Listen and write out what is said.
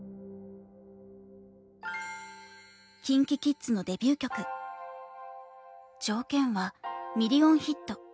ＫｉｎＫｉＫｉｄｓのデビュー曲条件は「ミリオンヒット」。